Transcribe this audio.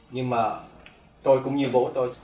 nhưng mà tôi cũng như bố tôi